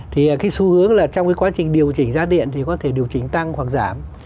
thì cái xu hướng là trong cái quá trình điều chỉnh giá điện thì có thể điều chỉnh tăng hoặc giảm